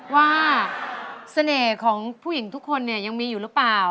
ว่าเสน่ห์ของผู้หญิงทุกคนเนี่ยยังมีอยู่หรือเปล่า